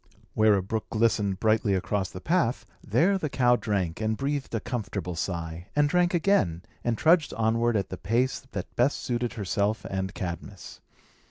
Where a brook glistened brightly across the path, there the cow drank, and breathed a comfortable sigh, and drank again, and trudged onward at the pace that best suited herself and Cadmus.